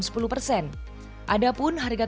ada pun harga tiket yang diberikan oleh pemerintah